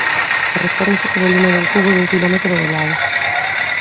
Correspóndese co volume dun cubo dun quilómetro de lado.